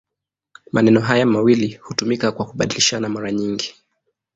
Maneno haya mawili hutumika kwa kubadilishana mara nyingi.